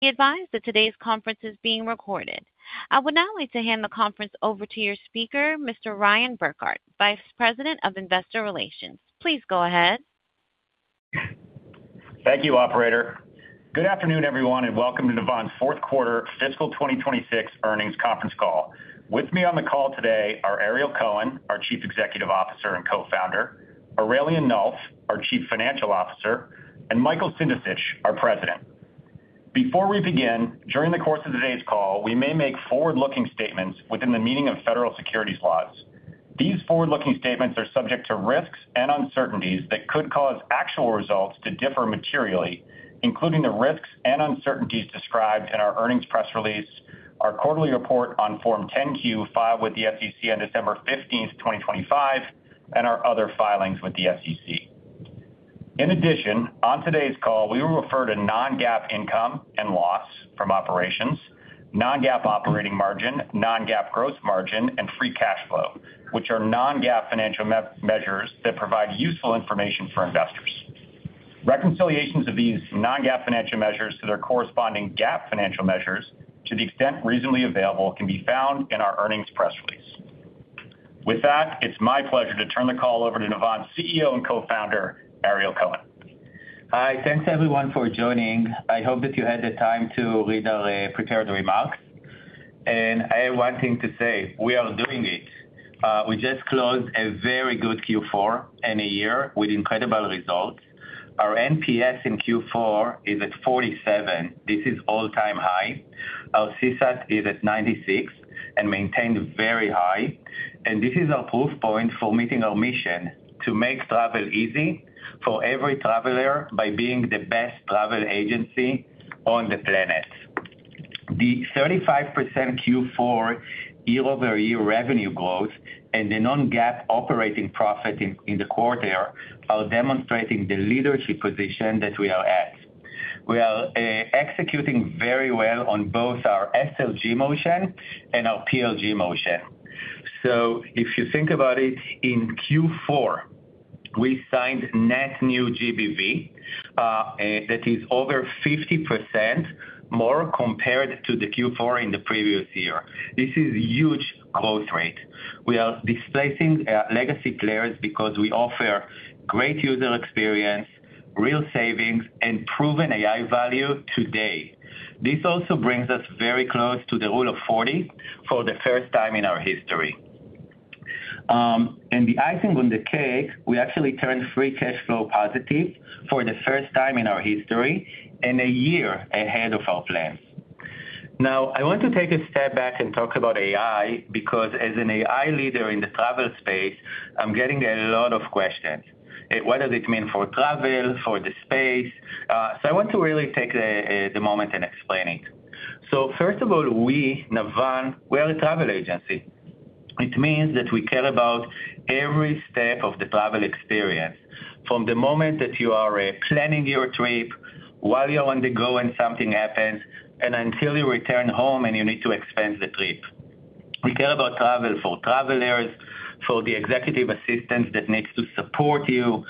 Be advised that today's conference is being recorded. I would now like to hand the conference over to your speaker, Mr. Ryan Burkart, Vice President of Investor Relations. Please go ahead. Thank you, operator. Good afternoon, everyone, and welcome to Navan's fourth quarter fiscal 2026 earnings conference call. With me on the call today are Ariel Cohen, our Chief Executive Officer and Co-founder, Aurélien Nolf, our Chief Financial Officer, and Michael Sindicich, our President. Before we begin, during the course of today's call, we may make forward-looking statements within the meaning of federal securities laws. These forward-looking statements are subject to risks and uncertainties that could cause actual results to differ materially, including the risks and uncertainties described in our earnings press release, our quarterly report on Form 10-Q filed with the SEC on December 15, 2025, and our other filings with the SEC. In addition, on today's call, we will refer to non-GAAP income and loss from operations, non-GAAP operating margin, non-GAAP growth margin, and free cash flow, which are non-GAAP financial measures that provide useful information for investors. Reconciliations of these non-GAAP financial measures to their corresponding GAAP financial measures to the extent reasonably available, can be found in our earnings press release. With that, it's my pleasure to turn the call over to Navan's CEO and Co-founder, Ariel Cohen. Hi. Thanks everyone for joining. I hope that you had the time to read our prepared remarks. I have one thing to say, we are doing it. We just closed a very good Q4 and a year with incredible results. Our NPS in Q4 is at 47. This is all-time high. Our CSAT is at 96 and maintained very high. This is our proof point for meeting our mission to make travel easy for every traveler by being the best travel agency on the planet. The 35% Q4 year-over-year revenue growth and the non-GAAP operating profit in the quarter are demonstrating the leadership position that we are at. We are executing very well on both our SLG motion and our PLG motion. If you think about it, in Q4, we signed net new GBV, that is over 50% more compared to the Q4 in the previous year. This is huge growth rate. We are displacing legacy players because we offer great user experience, real savings, and proven AI value today. This also brings us very close to the rule of 40 for the first time in our history. The icing on the cake, we actually turned free cash flow positive for the first time in our history and a year ahead of our plan. Now, I want to take a step back and talk about AI, because as an AI leader in the travel space, I'm getting a lot of questions. What does it mean for travel, for the space? I want to really take the moment and explain it. First of all, we, Navan, we're a travel agency, which means that we care about every step of the travel experience from the moment that you are planning your trip, while you're on the go and something happens, and until you return home and you need to expense the trip. We care about travel for travelers, for the executive assistants that needs to support you,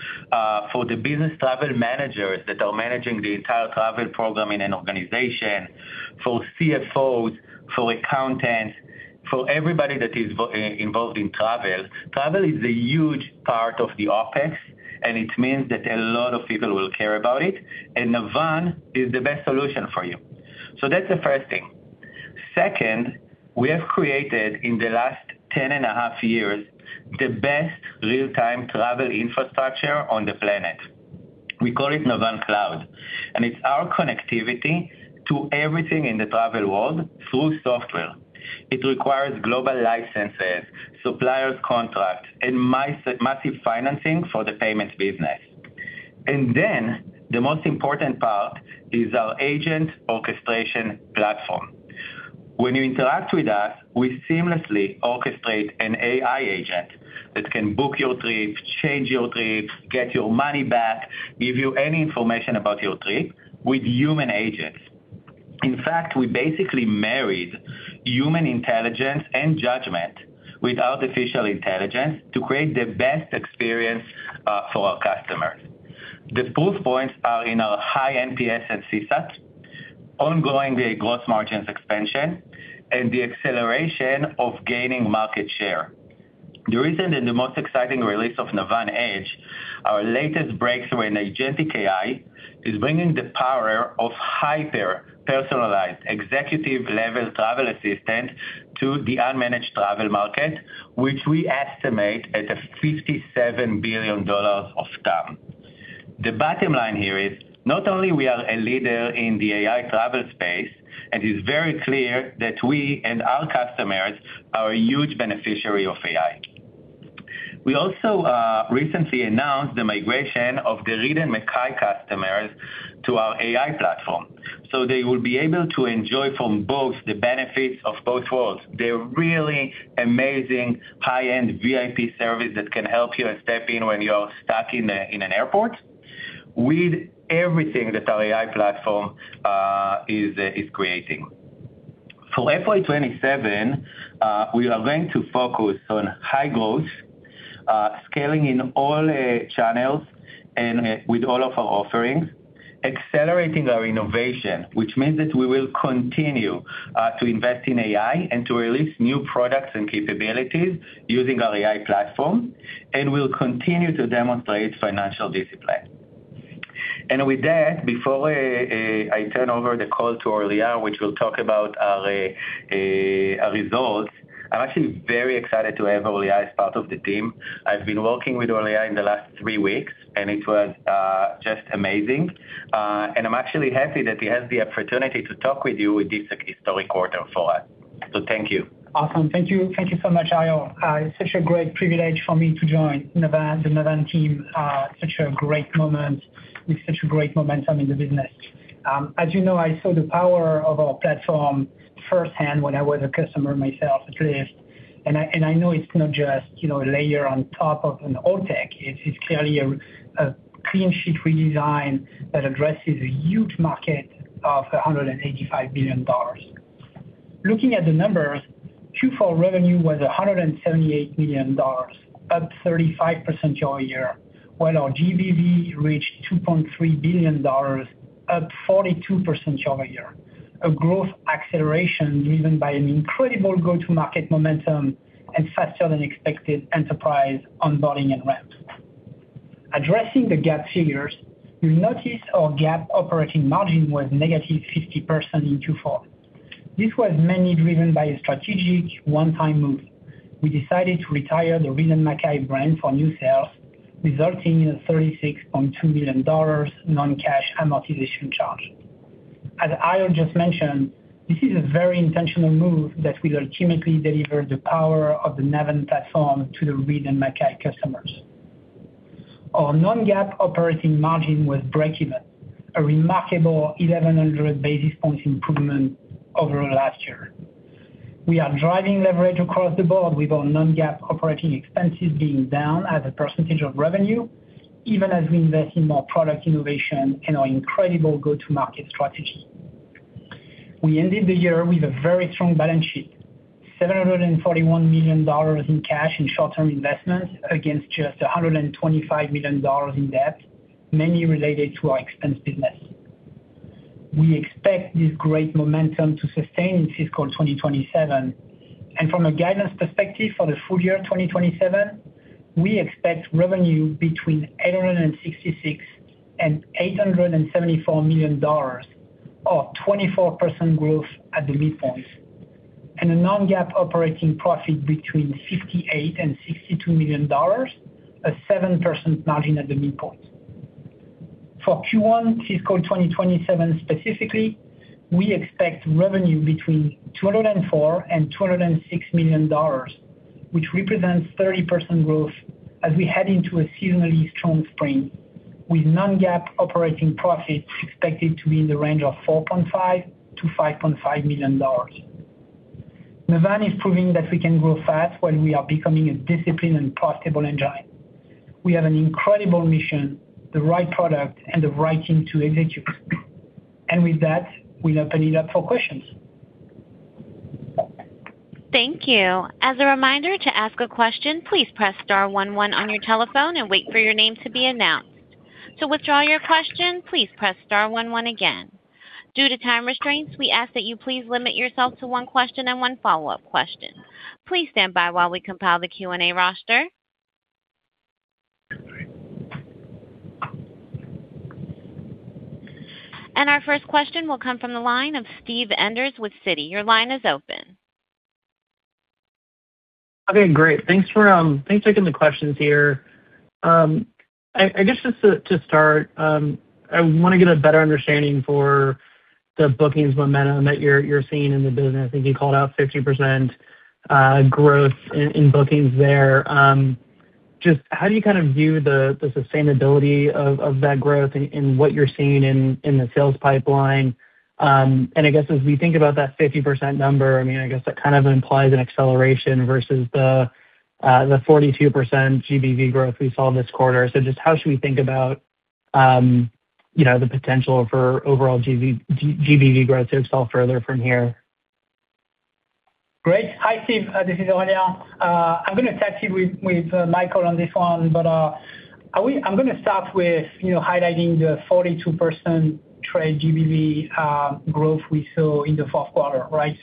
for the business travel managers that are managing the entire travel program in an organization, for CFOs, for accountants, for everybody that is involved in travel. Travel is a huge part of the OpEx, and it means that a lot of people will care about it, and Navan is the best solution for you. That's the first thing. Second, we have created in the last 10.5 years the best real-time travel infrastructure on the planet. We call it Navan Cloud, and it's our connectivity to everything in the travel world through software. It requires global licenses, supplier contracts, and massive financing for the payments business. The most important part is our agent orchestration platform. When you interact with us, we seamlessly orchestrate an AI agent that can book your trip, change your trip, get your money back, give you any information about your trip with human agents. In fact, we basically married human intelligence and judgment with artificial intelligence to create the best experience for our customers. The proof points are in our high NPS and CSAT, the ongoing gross margins expansion, and the acceleration of gaining market share. The reason I'm most excited about the release of Navan Edge, our latest breakthrough in agentic AI, is bringing the power of hyper-personalized executive-level travel assistant to the unmanaged travel market, which we estimate at a $57 billion TAM. The bottom line here is not only we are a leader in the AI travel space, and it's very clear that we and our customers are a huge beneficiary of AI. We also recently announced the migration of the Reed & Mackay customers to our AI platform, so they will be able to enjoy from both the benefits of both worlds. The really amazing high-end VIP service that can help you and step in when you're stuck in an airport with everything that our AI platform is creating. For FY 2027, we are going to focus on high growth, scaling in all channels and with all of our offerings, accelerating our innovation, which means that we will continue to invest in AI and to release new products and capabilities using our AI platform. We'll continue to demonstrate financial discipline. With that, before I turn over the call to Aurélien, which will talk about our results, I'm actually very excited to have Aurélien as part of the team. I've been working with Aurélien in the last three weeks, and it was just amazing. I'm actually happy that he has the opportunity to talk with you in this historic quarter for us. Thank you. Awesome. Thank you. Thank you so much, Ariel. It's such a great privilege for me to join Navan, the Navan team, such a great moment with such great momentum in the business. As you know, I saw the power of our platform firsthand when I was a customer myself at Lyft. I know it's not just, you know, a layer on top of an old tech. It's clearly a clean sheet redesign that addresses a huge market of $185 billion. Looking at the numbers, Q4 revenue was $178 million, up 35% year-over-year, while our GBV reached $2.3 billion, up 42% year-over-year, a growth acceleration driven by an incredible go-to-market momentum and faster than expected enterprise onboarding and ramp. Addressing the GAAP figures, you'll notice our GAAP operating margin was negative 50% in Q4. This was mainly driven by a strategic one-time move. We decided to retire the Reed & Mackay brand for new sales, resulting in a $36.2 million non-cash amortization charge. As Ariel just mentioned, this is a very intentional move that will ultimately deliver the power of the Navan platform to the Reed & Mackay customers. Our non-GAAP operating margin was breakeven, a remarkable 1,100 basis points improvement over last year. We are driving leverage across the board with our non-GAAP operating expenses being down as a percentage of revenue, even as we invest in more product innovation and our incredible go-to-market strategy. We ended the year with a very strong balance sheet, $741 million in cash and short-term investments against just $125 million in debt, mainly related to our expense business. We expect this great momentum to sustain in fiscal 2027, and from a guidance perspective for the full year 2027, we expect revenue between $866 million-$874 million, or 24% growth at the midpoint, and a non-GAAP operating profit between $58 million-$62 million, a 7% margin at the midpoint. For Q1 fiscal 2027 specifically, we expect revenue between $204 million-$206 million, which represents 30% growth as we head into a seasonally strong spring, with non-GAAP operating profits expected to be in the range of $4.5 million-$5.5 million. Navan is proving that we can grow fast while we are becoming a disciplined and profitable engine. We have an incredible mission, the right product, and the right team to execute. With that, we open it up for questions. Thank you. As a reminder to ask a question, please press star one one on your telephone and wait for your name to be announced. To withdraw your question, please press star one one again. Due to time restraints, we ask that you please limit yourself to one question and one follow-up question. Please stand by while we compile the Q&A roster. Our first question will come from the line of Steve Enders with Citi. Your line is open. Okay, great. Thanks for taking the questions here. I guess just to start, I want to get a better understanding for the bookings momentum that you're seeing in the business. I think you called out 50% growth in bookings there. Just how do you kind of view the sustainability of that growth in what you're seeing in the sales pipeline? I guess as we think about that 50% number, I mean, I guess that kind of implies an acceleration versus the 42% GBV growth we saw this quarter. Just how should we think about, you know, the potential for overall GBV growth to accelerate further from here? Great. Hi, Steve. This is Aurélien. I'm gonna tag team with Michael on this one, but I'm gonna start with, you know, highlighting the 42% GBV growth we saw in the fourth quarter, right?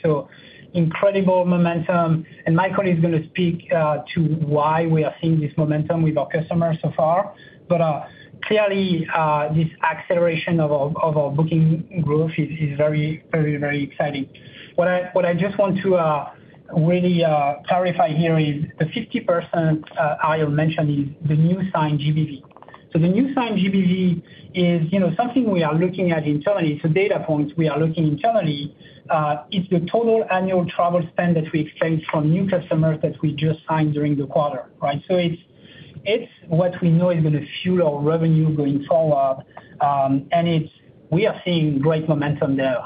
Incredible momentum, and Michael is gonna speak to why we are seeing this momentum with our customers so far. Clearly, this acceleration of our booking growth is very, very exciting. What I just want to really clarify here is the 50% Ariel mentioned is the new signed GBV. The new signed GBV is, you know, something we are looking at internally. It's a data point we are looking internally. It's the total annual travel spend that we exchanged from new customers that we just signed during the quarter, right? It's what we know is gonna fuel our revenue going forward, and it's we are seeing great momentum there.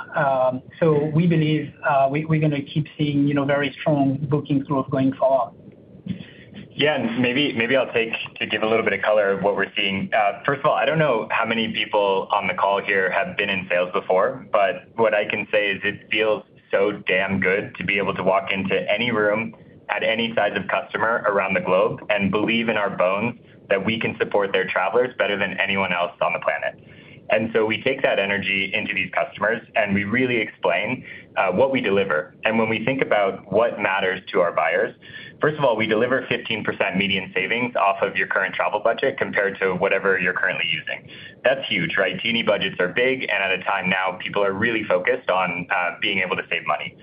We believe we're gonna keep seeing, you know, very strong booking growth going forward. Yeah. Maybe I'll take to give a little bit of color of what we're seeing. First of all, I don't know how many people on the call here have been in sales before, but what I can say is it feels so damn good to be able to walk into any room at any size of customer around the globe and believe in our bones that we can support their travelers better than anyone else on the planet. We take that energy into these customers, and we really explain what we deliver. When we think about what matters to our buyers, first of all, we deliver 15% median savings off of your current travel budget compared to whatever you're currently using. That's huge, right? T&E budgets are big, and at a time now, people are really focused on being able to save money.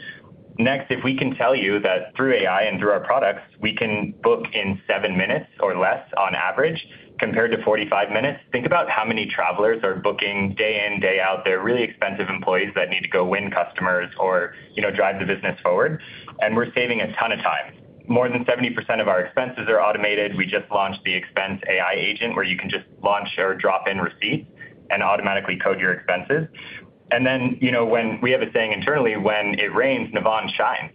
Next, if we can tell you that through AI and through our products, we can book in 7 minutes or less on average, compared to 45 minutes. Think about how many travelers are booking day in, day out. They're really expensive employees that need to go win customers or, you know, drive the business forward, and we're saving a ton of time. More than 70% of our expenses are automated. We just launched the expense AI agent, where you can just launch or drop in receipts and automatically code your expenses. Then, you know, we have a saying internally, "When it rains, Navan shines."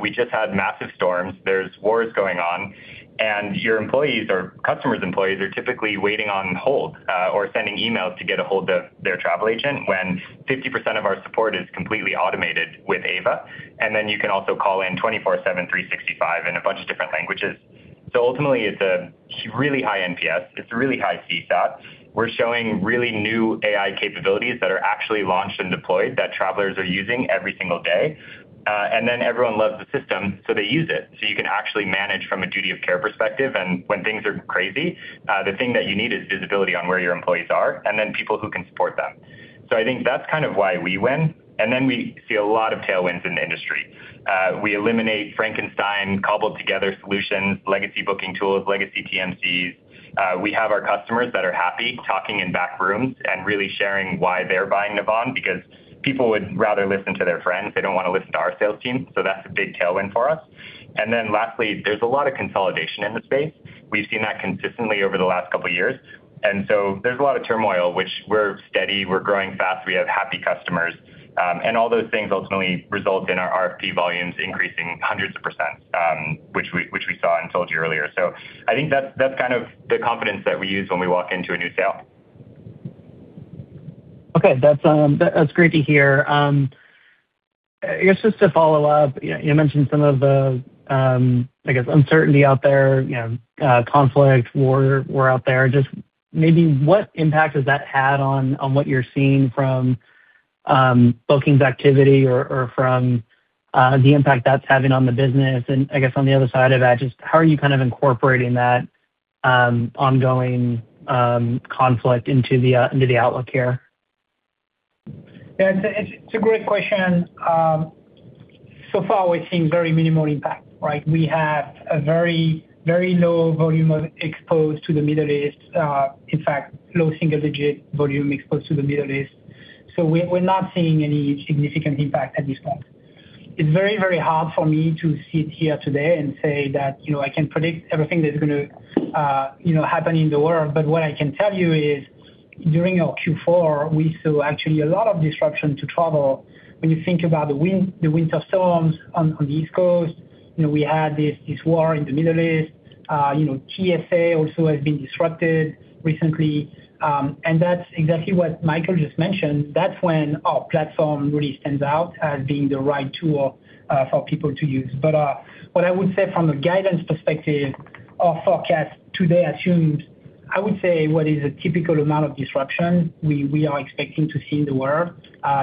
We just had massive storms. There's wars going on, and your employees or customers' employees are typically waiting on hold or sending emails to get ahold of their travel agent when 50% of our support is completely automated with Ava. You can also call in 24/7, 365 in a bunch of different languages. Ultimately, it's a really high NPS. It's a really high CSAT. We're showing really new AI capabilities that are actually launched and deployed that travelers are using every single day. Everyone loves the system, so they use it. You can actually manage from a duty of care perspective. When things are crazy, the thing that you need is visibility on where your employees are and then people who can support them. I think that's kind of why we win. We see a lot of tailwinds in the industry. We eliminate Frankenstein cobbled-together solutions, legacy booking tools, legacy TMCs. We have our customers that are happy talking in back rooms and really sharing why they're buying Navan because people would rather listen to their friends. They don't wanna listen to our sales team. That's a big tailwind for us. Lastly, there's a lot of consolidation in the space. We've seen that consistently over the last couple years. There's a lot of turmoil, which we're steady, we're growing fast, we have happy customers. All those things ultimately result in our RFP volumes increasing hundreds of %, which we saw and told you earlier. I think that's kind of the confidence that we use when we walk into a new sale. Okay. That's great to hear. I guess just to follow up, you mentioned some of the, I guess, uncertainty out there, you know, conflict, war out there. Just maybe what impact has that had on what you're seeing from bookings activity or from the impact that's having on the business? I guess on the other side of that, just how are you kind of incorporating that ongoing conflict into the outlook here? Yeah, it's a great question. So far we've seen very minimal impact, right? We have a very, very low volume exposed to the Middle East. In fact, low single-digit volume exposed to the Middle East. We're not seeing any significant impact at this point. It's very, very hard for me to sit here today and say that, you know, I can predict everything that's gonna, you know, happen in the world. What I can tell you is, during our Q4, we saw actually a lot of disruption to travel. When you think about the winter storms on the East Coast, you know, we had this war in the Middle East. You know, TSA also has been disrupted recently. And that's exactly what Michael just mentioned. That's when our platform really stands out as being the right tool for people to use. What I would say from a guidance perspective, our forecast today assumes, I would say, what is a typical amount of disruption we are expecting to see in the world.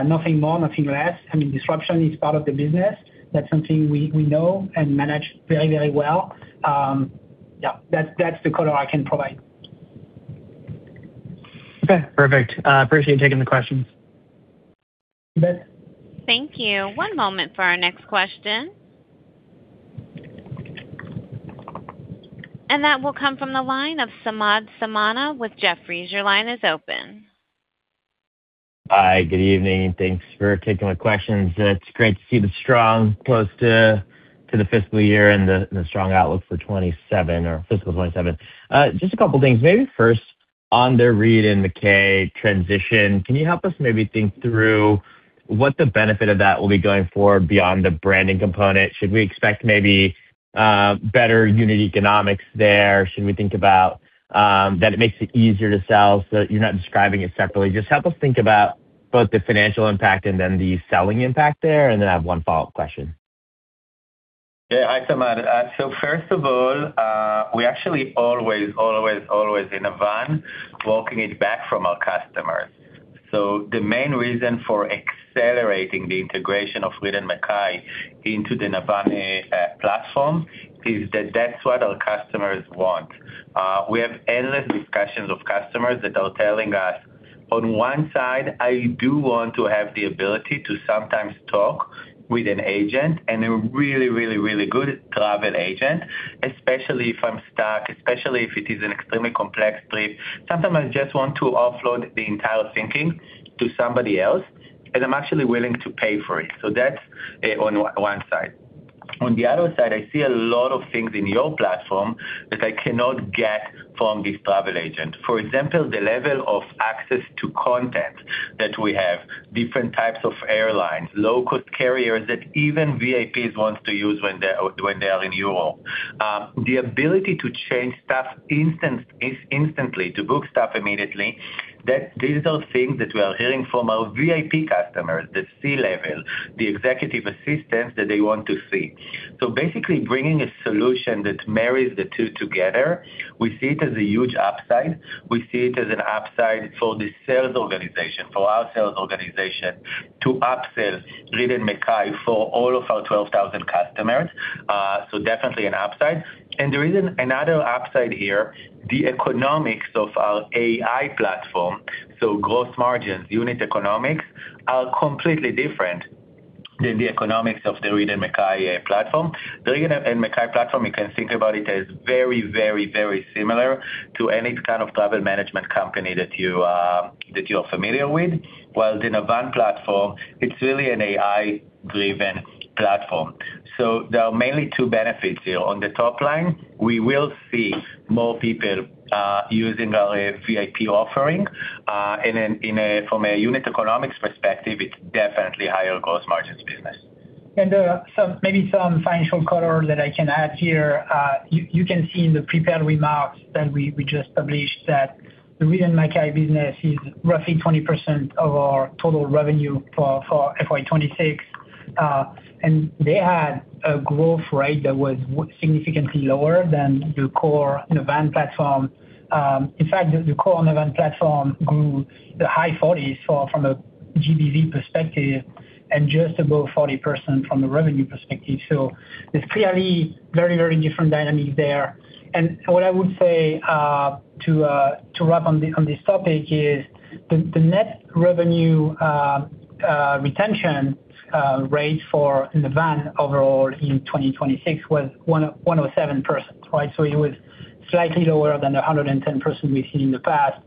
Nothing more, nothing less. I mean, disruption is part of the business. That's something we know and manage very, very well. Yeah, that's the color I can provide. Okay. Perfect. Appreciate you taking the questions. You bet. Thank you. One moment for our next question. That will come from the line of Samad Samana with Jefferies. Your line is open. Hi. Good evening. Thanks for taking my questions. It's great to see the strong close to the fiscal year and the strong outlook for fiscal 2027. Just a couple things. Maybe first on the Reed & Mackay transition, can you help us maybe think through what the benefit of that will be going forward beyond the branding component? Should we expect maybe better unit economics there? Should we think about that it makes it easier to sell so that you're not describing it separately? Just help us think about both the financial impact and then the selling impact there. Then I have one follow-up question. Yeah. Hi, Samad. First of all, we actually always in Navan walking it back from our customers. The main reason for accelerating the integration of Reed & Mackay into the Navan platform is that that's what our customers want. We have endless discussions of customers that are telling us, "On one side, I do want to have the ability to sometimes talk with an agent and a really good travel agent, especially if I'm stuck, especially if it is an extremely complex trip. Sometimes I just want to offload the entire thinking to somebody else, and I'm actually willing to pay for it." That's on one side. On the other side, I see a lot of things in your platform that I cannot get from this travel agent. For example, the level of access to content That we have different types of airlines, low-cost carriers that even VIPs want to use when they're, when they are in Europe. The ability to change stuff instantly, to book stuff immediately, that these are things that we are hearing from our VIP customers, the C-level, the executive assistants that they want to see. Basically bringing a solution that marries the two together, we see it as a huge upside. We see it as an upside for the sales organization, for our sales organization to upsell Reed & Mackay for all of our 12,000 customers. Definitely an upside. There is another upside here, the economics of our AI platform. Gross margins, unit economics are completely different than the economics of the Reed & Mackay platform. The Reed & Mackay platform, you can think about it as very similar to any kind of travel management company that you are familiar with. While the Navan platform, it's really an AI-driven platform. There are mainly two benefits here. On the top line, we will see more people using our VIP offering, and from a unit economics perspective, it's definitely higher gross margins business. Some financial color that I can add here. You can see in the prepared remarks that we just published that the Reed & Mackay business is roughly 20% of our total revenue for FY 2026. They had a growth rate that was significantly lower than the core Navan platform. In fact, the core Navan platform grew the high 40s from a GBV perspective and just above 40% from the revenue perspective. It's clearly very different dynamic there. What I would say to wrap on this topic is the net revenue retention rate for Navan overall in 2026 was 107%, right? It was slightly lower than the 110% we've seen in the past.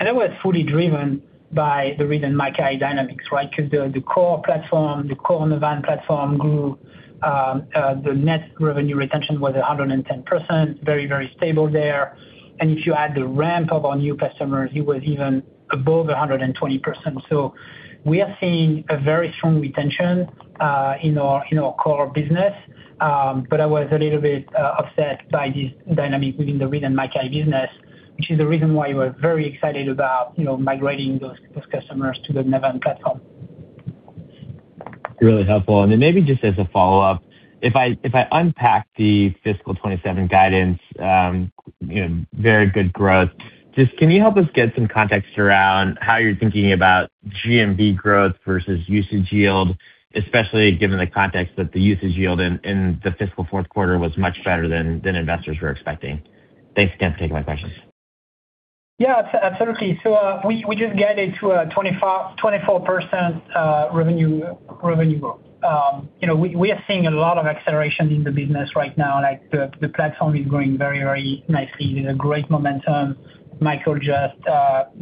That was fully driven by the Reed & Mackay dynamics, right? Because the core platform, the core Navan platform grew, the net revenue retention was 110%. Very, very stable there. If you add the ramp of our new customers, it was even above 120%. We are seeing a very strong retention in our core business. I was a little bit upset by this dynamic within the Reed & Mackay business, which is the reason why we're very excited about, you know, migrating those customers to the Navan platform. Really helpful. Maybe just as a follow-up, if I unpack the fiscal 2027 guidance, you know, very good growth. Just, can you help us get some context around how you're thinking about GMV growth versus usage yield, especially given the context that the usage yield in the fiscal fourth quarter was much better than investors were expecting. Thanks again for taking my questions. Yeah, absolutely. We just guided to a 24% revenue growth. You know, we are seeing a lot of acceleration in the business right now, like, the platform is growing very very nicely. There's a great momentum Michael just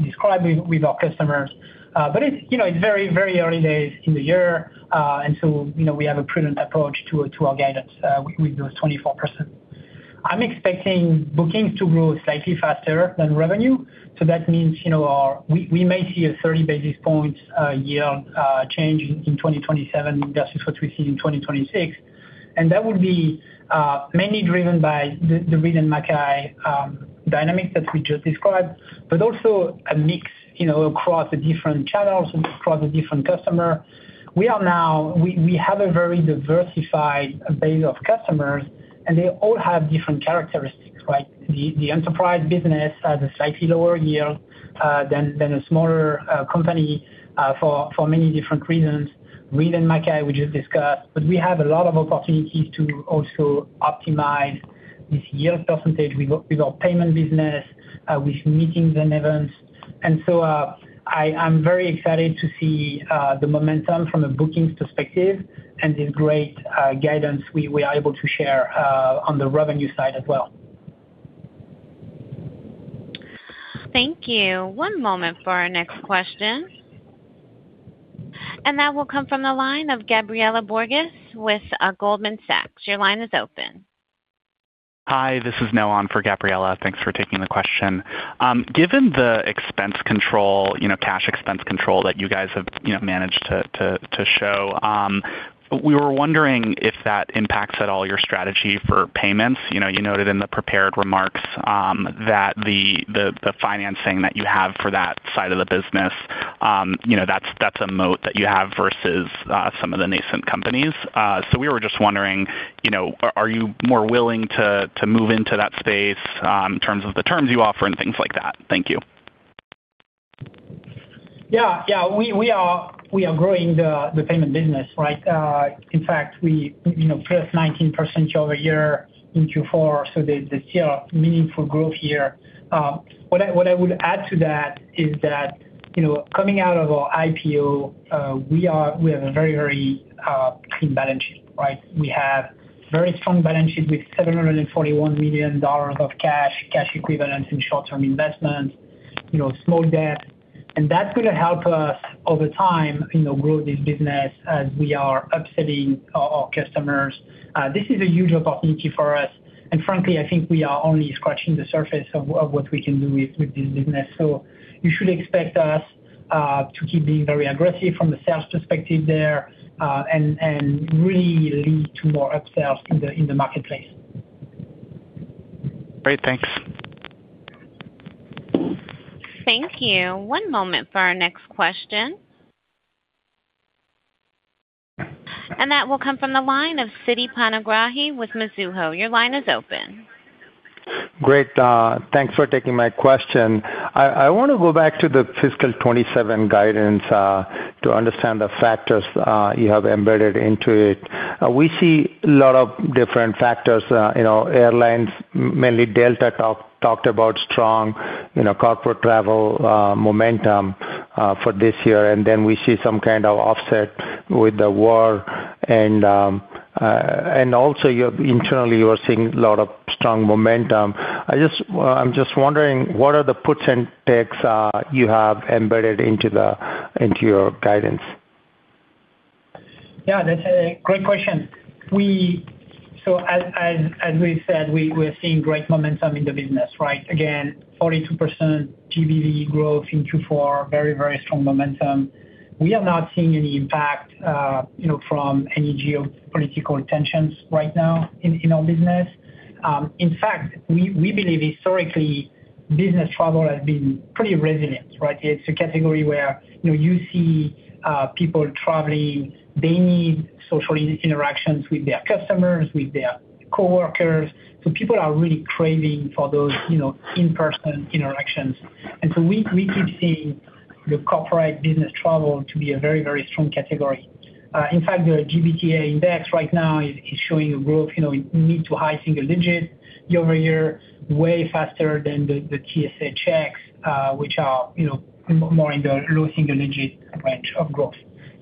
described with our customers. It's you know, it's very very early days in the year. We have a prudent approach to our guidance with those 24%. I'm expecting bookings to grow slightly faster than revenue. That means, you know, we may see a 30 basis points year change in 2027 versus what we see in 2026. That would be mainly driven by the Reed & Mackay dynamic that we just described, but also a mix, you know, across the different channels, across the different customer. We have a very diversified base of customers, and they all have different characteristics, right? The enterprise business has a slightly lower yield than a smaller company for many different reasons. Reed & Mackay, we just discussed. But we have a lot of opportunities to also optimize this yield percentage with our payment business, with meetings and events. I am very excited to see the momentum from a bookings perspective and the great guidance we are able to share on the revenue side as well. Thank you. One moment for our next question. That will come from the line of Gabriela Borges with Goldman Sachs. Your line is open. Hi, this is Noah on for Gabriela Borges. Thanks for taking the question. Given the expense control, you know, cash expense control that you guys have, you know, managed to show, we were wondering if that impacts at all your strategy for payments. You know, you noted in the prepared remarks that the financing that you have for that side of the business, you know, that's a moat that you have versus some of the nascent companies. We were just wondering, you know, are you more willing to move into that space in terms of the terms you offer and things like that? Thank you. Yeah. We are growing the payment business, right? In fact, we, you know, plus 19% year-over-year in Q4, so there's still meaningful growth here. What I would add to that is that, you know, coming out of our IPO, we have a very clean balance sheet, right? We have a very strong balance sheet with $741 million of cash equivalents, and short-term investments, you know, small debt. That's gonna help us over time, you know, grow this business as we are upselling our customers. This is a huge opportunity for us. Frankly, I think we are only scratching the surface of what we can do with this business. You should expect us to keep being very aggressive from the sales perspective there, and really lead to more upsells in the marketplace. Great. Thanks. Thank you. One moment for our next question. That will come from the line of Siti Panigrahi with Mizuho. Your line is open. Great. Thanks for taking my question. I wanna go back to the fiscal 2027 guidance to understand the factors you have embedded into it. We see a lot of different factors, you know, airlines, mainly Delta talked about strong, you know, corporate travel momentum for this year. Then we see some kind of offset with the war. Also you're internally seeing a lot of strong momentum. Well, I'm just wondering, what are the puts and takes you have embedded into your guidance? Yeah, that's a great question. So as we've said, we're seeing great momentum in the business, right? Again, 42% GBV growth in Q4, very strong momentum. We have not seen any impact, you know, from any geopolitical tensions right now in our business. In fact, we believe historically business travel has been pretty resilient, right? It's a category where, you know, you see people traveling, they need social interactions with their customers, with their coworkers. People are really craving for those, you know, in-person interactions. We keep seeing the corporate business travel to be a very strong category. In fact, the GBTA index right now is showing a growth, you know, in mid- to high-single digits year-over-year, way faster than the TSA checks, which are, you know, more in the low-single-digit range of growth.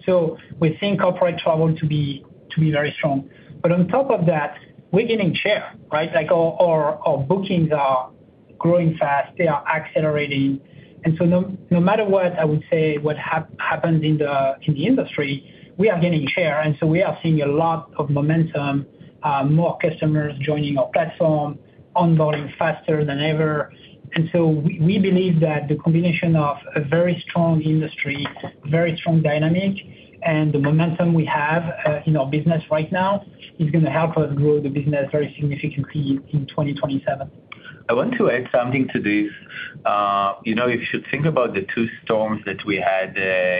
We think corporate travel to be very strong. On top of that, we're gaining share, right? Like, our bookings are growing fast, they are accelerating. No matter what happened in the industry, we are gaining share. We are seeing a lot of momentum, more customers joining our platform, onboarding faster than ever. We believe that the combination of a very strong industry, very strong dynamic, and the momentum we have in our business right now is gonna help us grow the business very significantly in 2027. I want to add something to this. You know, if you think about the two storms that we had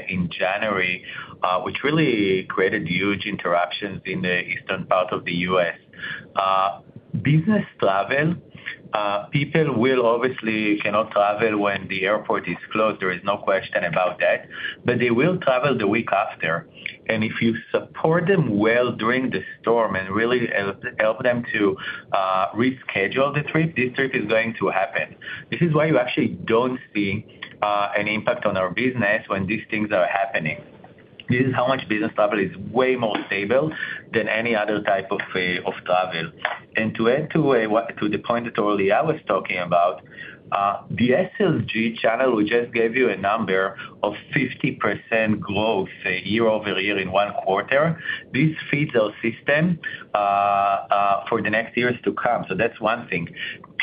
in January, which really created huge interruptions in the eastern part of the U.S. Business travel, people will obviously cannot travel when the airport is closed, there is no question about that. They will travel the week after. If you support them well during the storm and really help them to reschedule the trip, this trip is going to happen. This is why you actually don't see an impact on our business when these things are happening. This is how much business travel is way more stable than any other type of travel. To add to the point that Aurélien was talking about, the SLG channel, we just gave you a number of 50% growth year-over-year in one quarter. This feeds our system for the next years to come. That's one thing.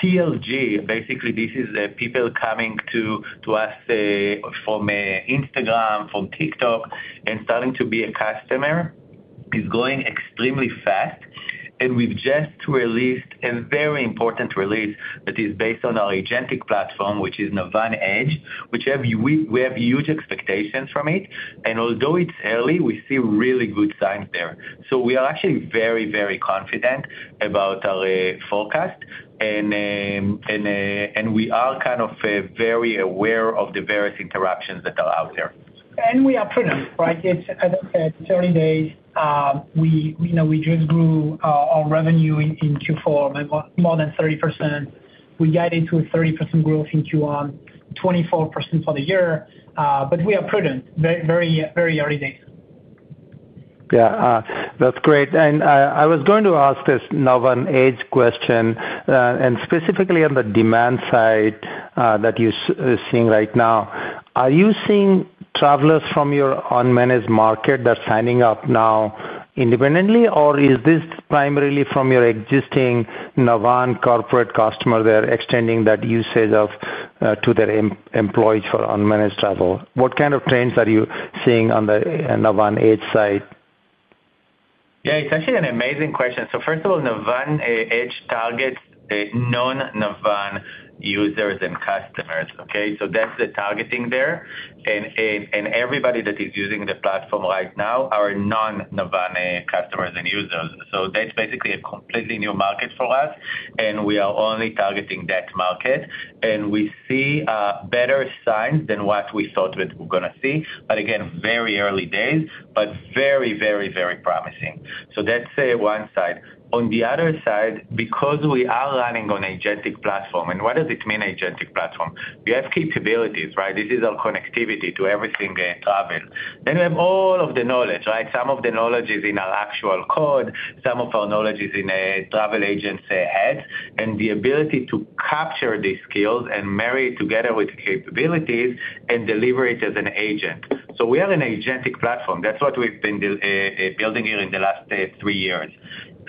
PLG, basically, this is people coming to us, say, from Instagram, from TikTok, and starting to be a customer, is going extremely fast. We've just released a very important release that is based on our agentic platform, which is Navan Edge, we have huge expectations from it. Although it's early, we see really good signs there. We are actually very confident about our forecast and we are kind of very aware of the various interruptions that are out there. We are prudent, right? It's at 30 days, you know, we just grew our revenue in Q4 by more than 30%. We guided to a 30% growth in Q1, 24% for the year, but we are prudent. Very, very early days. Yeah. That's great. I was going to ask this Navan Edge question, and specifically on the demand side that you're seeing right now. Are you seeing travelers from your unmanaged market that are signing up now independently, or is this primarily from your existing Navan corporate customer, they're extending that usage to their employees for unmanaged travel? What kind of trends are you seeing on the Navan Edge side? Yeah, it's actually an amazing question. First of all, Navan Edge targets non-Navan users and customers, okay? That's the targeting there. Everybody that is using the platform right now are non-Navan customers and users. That's basically a completely new market for us, and we are only targeting that market. We see better signs than what we thought we're gonna see. Again, very early days, but very promising. That's one side. On the other side, because we are running on agentic platform, and what does it mean, agentic platform? We have capabilities, right? This is our connectivity to everything, travel. Then we have all of the knowledge, right? Some of the knowledge is in our actual code, some of our knowledge is in a travel agent's head. The ability to capture these skills and marry together with capabilities and deliver it as an agent. We are an agentic platform. That's what we've been building here in the last three years.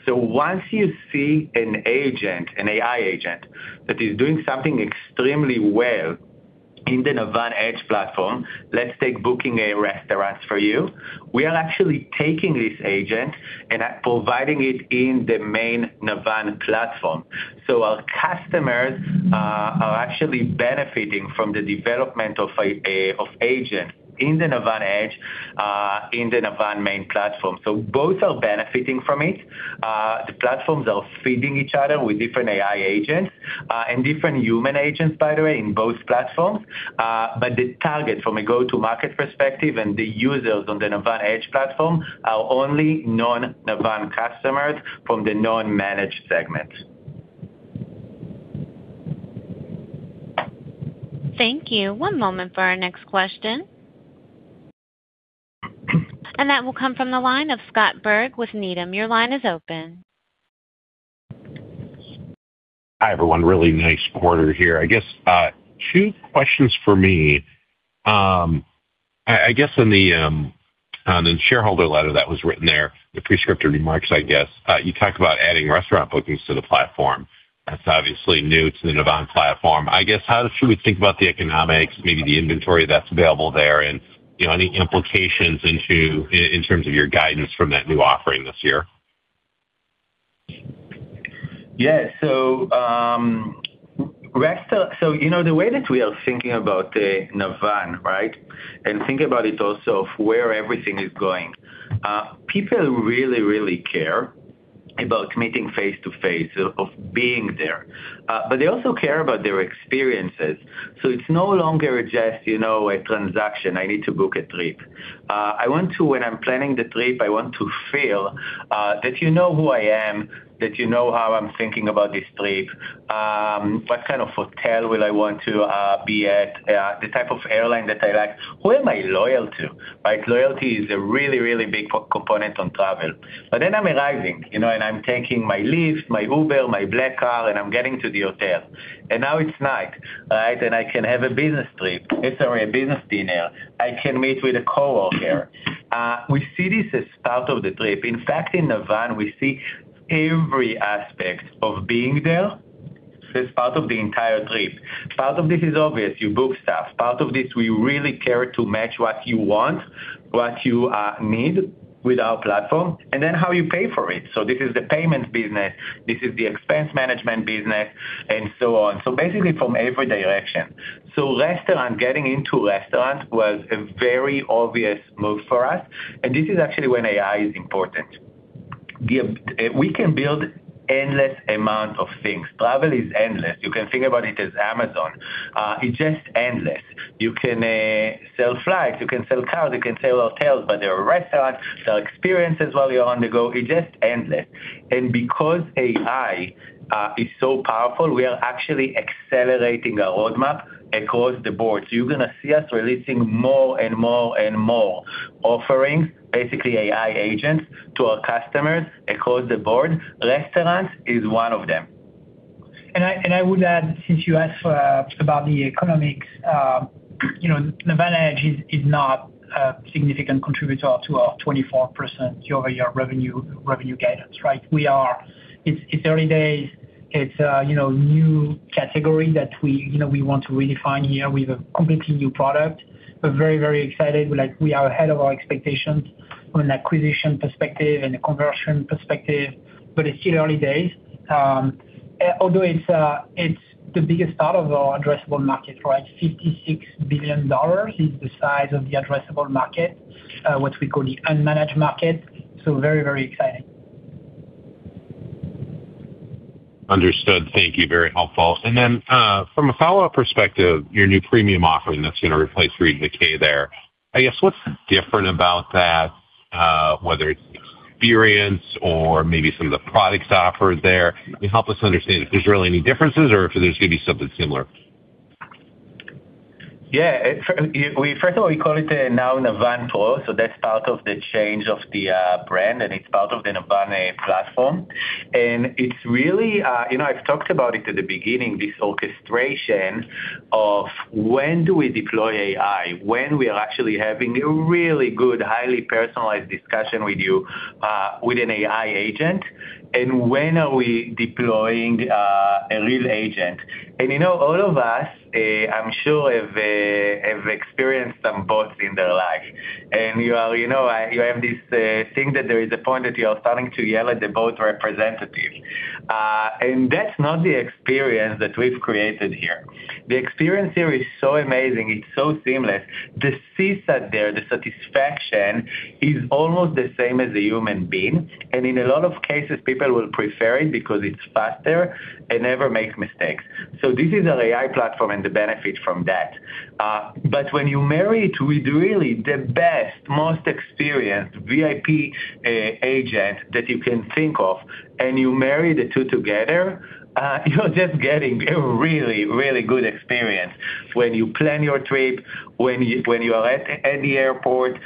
Once you see an agent, an AI agent, that is doing something extremely well in the Navan Edge platform, let's take booking a restaurant for you. We are actually taking this agent and providing it in the main Navan platform. Our customers are actually benefiting from the development of an agent in the Navan Edge in the Navan main platform. Both are benefiting from it. The platforms are feeding each other with different AI agents, and different human agents, by the way, in both platforms. The target from a go-to-market perspective and the users on the Navan Edge platform are only non-Navan customers from the non-managed segment. Thank you. One moment for our next question. That will come from the line of Scott Berg with Needham. Your line is open. Hi, everyone. Really nice quarter here. I guess two questions for me. I guess in the shareholder letter that was written there, the prescriptive remarks. I guess you talked about adding restaurant bookings to the platform. That's obviously new to the Navan platform. I guess how should we think about the economics, maybe the inventory that's available there and, you know, any implications in terms of your guidance from that new offering this year? Yeah. People really, really care about meeting face-to-face, of being there. But they also care about their experiences. It's no longer just, you know, a transaction, I need to book a trip. When I'm planning the trip, I want to feel that you know who I am, that you know how I'm thinking about this trip, what kind of hotel will I want to be at, the type of airline that I like. Who am I loyal to? Like, loyalty is a really, really big component on travel. Then I'm arriving, you know, and I'm taking my Lyft, my Uber, my black car, and I'm getting to the hotel. Now it's night, right? I can have a business trip, sorry, a business dinner. I can meet with a coworker. We see this as part of the trip. In fact, in Navan, we see every aspect of being there as part of the entire trip. Part of this is obvious. You book stuff. Part of this, we really care to match what you want, what you need with our platform, and then how you pay for it. This is the payment business, this is the expense management business, and so on. Basically from every direction. Restaurant, getting into restaurant was a very obvious move for us, and this is actually when AI is important. We can build endless amount of things. Travel is endless. You can think about it as Amazon. It's just endless. You can sell flights, you can sell cars, you can sell hotels, but there are restaurants. There are experiences while you're on the go. It's just endless. Because AI is so powerful, we are actually accelerating our roadmap across the board. You're gonna see us releasing more and more and more offerings, basically AI agents, to our customers across the board. Restaurants is one of them. I would add, since you asked about the economics, you know, Navan Edge is not a significant contributor to our 24% year-over-year revenue guidance, right? We are. It's early days. It's you know, new category that we you know, we want to really define here. We have a completely new product. We're very excited. Like, we are ahead of our expectations from an acquisition perspective and a conversion perspective, but it's still early days. Although it's it's the biggest part of our addressable market, right? $56 billion is the size of the addressable market, what we call the unmanaged market. So very exciting. Understood. Thank you. Very helpful. From a follow-up perspective, your new premium offering that's gonna replace 360 there, I guess what's different about that, whether it's experience or maybe some of the products offered there? Can you help us understand if there's really any differences or if there's gonna be something similar? Yeah. First of all, we call it now Navan Pro, so that's part of the change of the brand, and it's part of the Navan platform. It's really, you know, I've talked about it at the beginning, this orchestration of when do we deploy AI, when we are actually having a really good, highly personalized discussion with you with an AI agent, and when are we deploying a real agent. You know, all of us, I'm sure have experienced some bots in their life. You are, you know, you have this thing that there is a point that you are starting to yell at the bot representative. That's not the experience that we've created here. The experience here is so amazing. It's so seamless. The CSAT there, the satisfaction, is almost the same as a human being. In a lot of cases, people will prefer it because it's faster and never makes mistakes. This is our AI platform and the benefit from that. But when you marry it with really the best, most experienced VIP agent that you can think of, and you marry the two together, you're just getting a really, really good experience. When you plan your trip, when you are at the airport,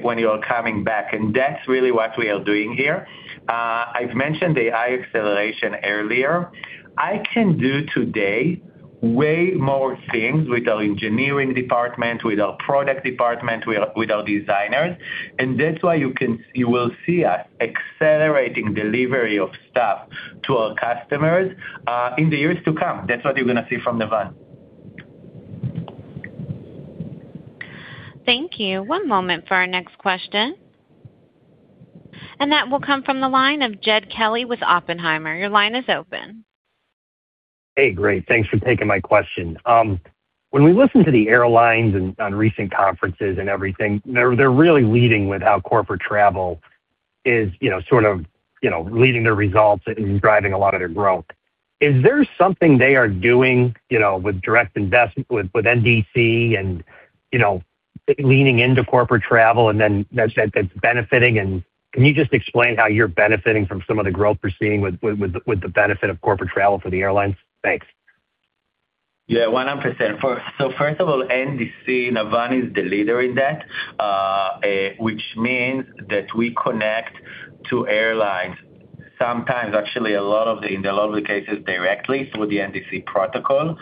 when you are coming back, and that's really what we are doing here. I've mentioned AI acceleration earlier. I can do today way more things with our engineering department, with our product department, with our designers, and that's why you will see us accelerating delivery of stuff to our customers, in the years to come. That's what you're gonna see from Navan. Thank you. One moment for our next question. That will come from the line of Jed Kelly with Oppenheimer. Your line is open. Hey, great. Thanks for taking my question. When we listen to the airlines and on recent conferences and everything, they're really leading with how corporate travel is, you know, sort of, you know, leading their results and driving a lot of their growth. Is there something they are doing, you know, with NDC and, you know, leaning into corporate travel and then that's benefiting? Can you just explain how you're benefiting from some of the growth we're seeing with the benefit of corporate travel for the airlines? Thanks. Yeah, 100%. First of all, NDC, Navan is the leader in that, which means that we connect to airlines sometimes, actually a lot of the cases directly through the NDC protocol.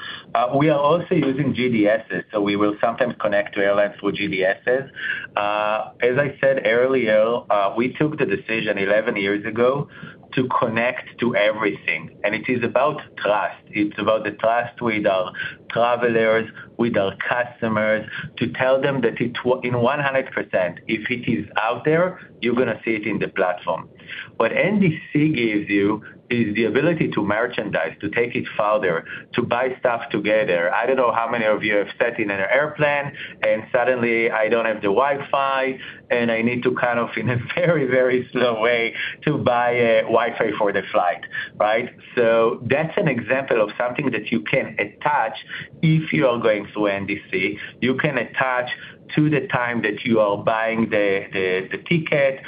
We are also using GDSs, so we will sometimes connect to airlines through GDSs. As I said earlier, we took the decision 11 years ago to connect to everything, and it is about trust. It's about the trust with our travelers, with our customers, to tell them that in 100%, if it is out there, you're gonna see it in the platform. What NDC gives you is the ability to merchandise, to take it further, to buy stuff together. I don't know how many of you have sat in an airplane and suddenly I don't have the Wi-Fi, and I need to kind of, in a very, very slow way, to buy, Wi-Fi for the flight, right? That's an example of something that you can attach if you are going through NDC. You can attach to the time that you are buying the ticket,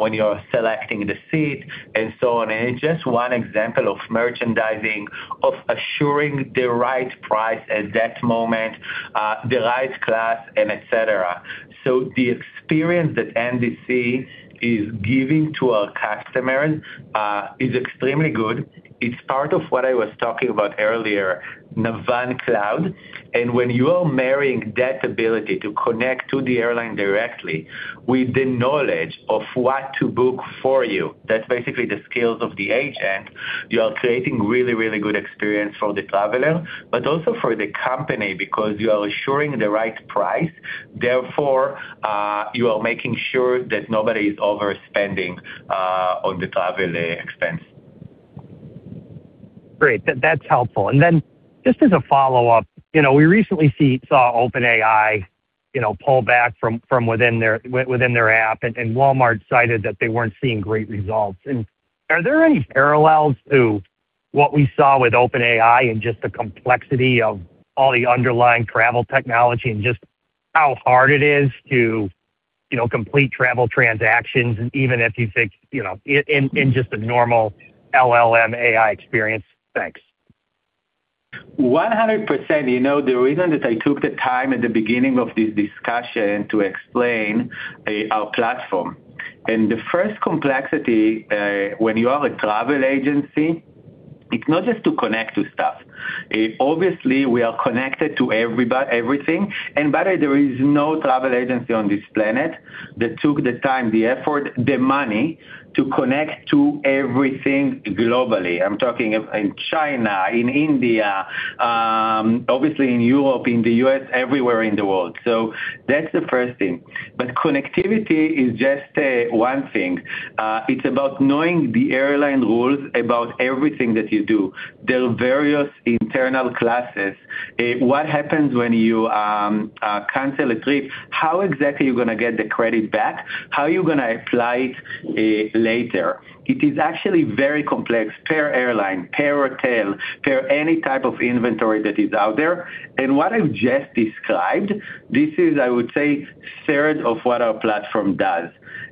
when you are selecting the seat, and so on. It's just one example of merchandising, of assuring the right price at that moment, the right class, and et cetera. The experience that NDC is giving to our customers is extremely good. It's part of what I was talking about earlier, Navan Cloud. When you are marrying that ability to connect to the airline directly with the knowledge of what to book for you, that's basically the skills of the agent, you are creating really, really good experience for the traveler, but also for the company, because you are assuring the right price. Therefore, you are making sure that nobody is overspending on the travel expense. Great. That's helpful. Then just as a follow-up, you know, we recently saw OpenAI, you know, pull back from within their app, and Walmart cited that they weren't seeing great results. Are there any parallels to what we saw with OpenAI and just the complexity of all the underlying travel technology and just how hard it is to, you know, complete travel transactions, even if you think, you know, in just a normal LLM AI experience? Thanks. 100%. You know, the reason that I took the time at the beginning of this discussion to explain our platform. The first complexity when you are a travel agency, it's not just to connect to stuff. Obviously, we are connected to everything. By the way, there is no travel agency on this planet that took the time, the effort, the money to connect to everything globally. I'm talking about in China, in India, obviously in Europe, in the U.S., everywhere in the world. That's the first thing. Connectivity is just one thing. It's about knowing the airline rules about everything that you do. There are various internal classes. What happens when you cancel a trip? How exactly are you gonna get the credit back? How are you gonna apply it later? It is actually very complex per airline, per hotel, per any type of inventory that is out there. What I've just described, this is, I would say, third of what our platform does.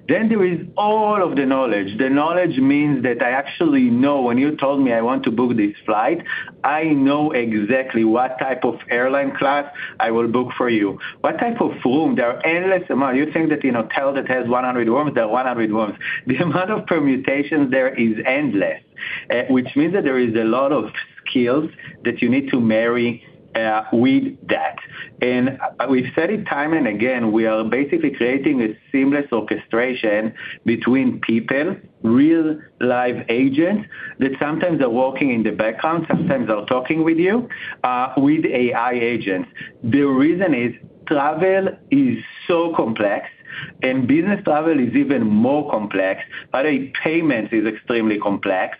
There is all of the knowledge. The knowledge means that I actually know when you told me I want to book this flight, I know exactly what type of airline class I will book for you. What type of room? There are endless amount. You think that, you know, hotel that has 100 rooms, there are 100 rooms. The amount of permutations there is endless, which means that there is a lot of skills that you need to marry with that. We've said it time and again, we are basically creating a seamless orchestration between people, real live agents, that sometimes are working in the background, sometimes are talking with you, with AI agents. The reason is, travel is so complex, and business travel is even more complex. By the way, payment is extremely complex.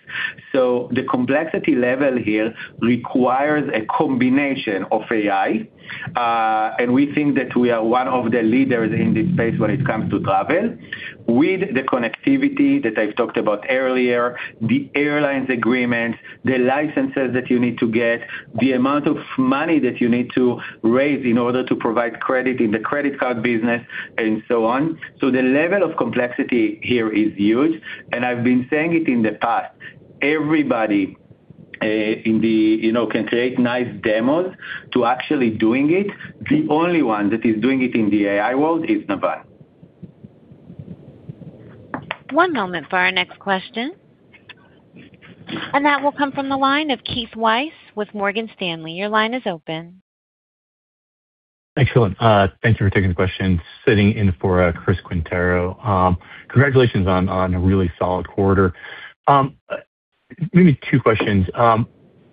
The complexity level here requires a combination of AI, and we think that we are one of the leaders in this space when it comes to travel. With the connectivity that I've talked about earlier, the airlines agreements, the licenses that you need to get, the amount of money that you need to raise in order to provide credit in the credit card business, and so on. The level of complexity here is huge, and I've been saying it in the past. Everybody, you know, can create nice demos to actually doing it. The only one that is doing it in the AI world is Navan. One moment for our next question. That will come from the line of Keith Weiss with Morgan Stanley. Your line is open. Excellent. Thank you for taking the question, sitting in for Chris Quintero. Congratulations on a really solid quarter. Maybe two questions.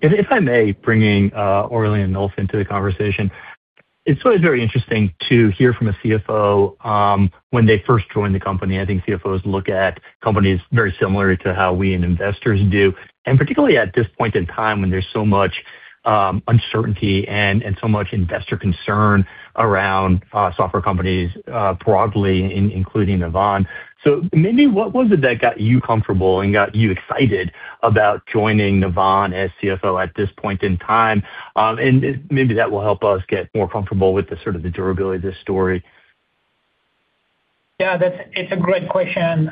If I may, bringing Aurélien Nolf into the conversation, it's always very interesting to hear from a CFO when they first join the company. I think CFOs look at companies very similar to how we and investors do, and particularly at this point in time when there's so much uncertainty and so much investor concern around software companies broadly including Navan. Maybe what was it that got you comfortable and got you excited about joining Navan as CFO at this point in time. Maybe that will help us get more comfortable with the sort of the durability of this story. Yeah, that's a great question.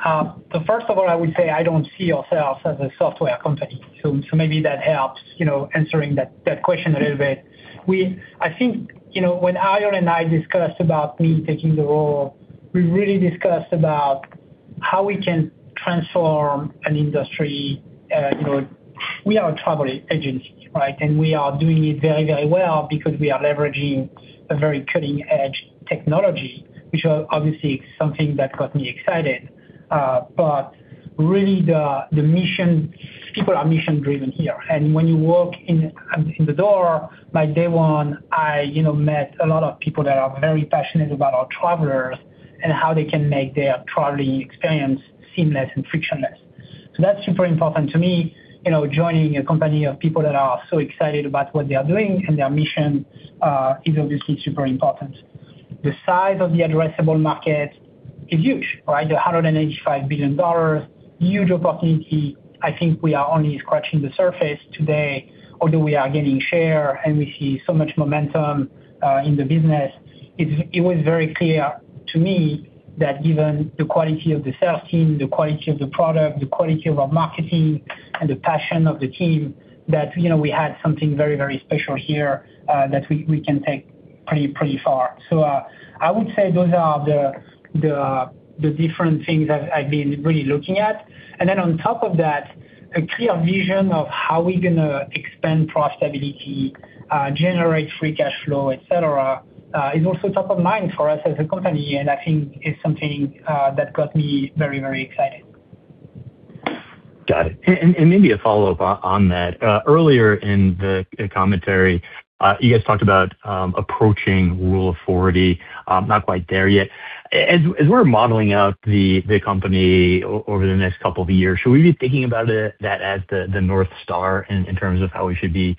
First of all, I would say I don't see ourselves as a software company. So maybe that helps, you know, answering that question a little bit. I think, you know, when Ariel and I discussed about me taking the role, we really discussed about how we can transform an industry. You know, we are a travel agency, right? And we are doing it very, very well because we are leveraging a very cutting-edge technology, which are obviously something that got me excited. But really, the mission— people are mission-driven here. And when you walk in the door, like, day one, I you know, met a lot of people that are very passionate about our travelers and how they can make their traveling experience seamless and frictionless. So that's super important to me. You know, joining a company of people that are so excited about what they are doing and their mission is obviously super important. The size of the addressable market is huge, right? $185 billion, huge opportunity. I think we are only scratching the surface today, although we are gaining share, and we see so much momentum in the business. It was very clear to me that given the quality of the sales team, the quality of the product, the quality of our marketing and the passion of the team, that, you know, we had something very, very special here that we can take pretty far. I would say those are the different things I've been really looking at. On top of that, a clear vision of how we're gonna expand profitability, generate free cash flow, et cetera, is also top of mind for us as a company, and I think it's something that got me very, very excited. Got it. Maybe a follow-up on that. Earlier in the commentary, you guys talked about approaching rule of forty, not quite there yet. As we're modeling out the company over the next couple of years, should we be thinking about it as the North Star in terms of how we should be